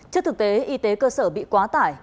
trước thực tế y tế cơ sở bị quá tải